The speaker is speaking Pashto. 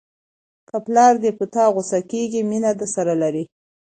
که پلار دې په تا غوسه کېږي مینه درسره لري.